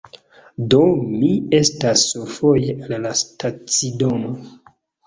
Do mi estas survoje al la stacidomo